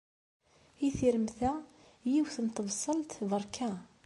I tiremt-a yiwet n tebṣelt berka.